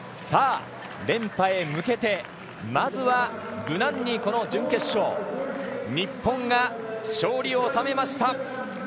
さあ、連覇へ向けてまずは無難にこの準決勝日本が勝利を収めました。